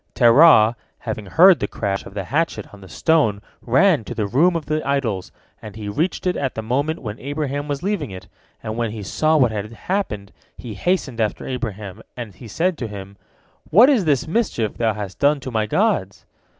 Terah, having heard the crash of the hatchet on the stone, ran to the room of the idols, and he reached it at the moment when Abraham was leaving it, and when he saw what had happened, he hastened after Abraham, and he said to him, "What is this mischief thou hast done to my gods?"